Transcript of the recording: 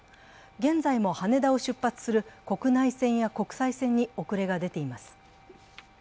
現在も羽田を出発する国内線や国際線に遅れが出ています。